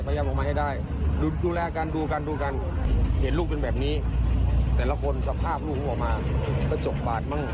ยังออกมาให้ได้ดูแลกันดูกันดูกันเห็นลูกเป็นแบบนี้แต่ละคนสภาพลูกออกมากระจกบาดมั่ง